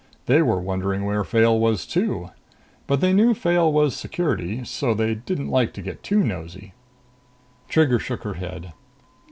They were wondering where Fayle was, too. But they knew Fayle was Security, so they didn't like to get too nosy." Trigger shook her head.